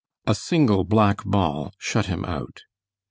A single black ball shut him out.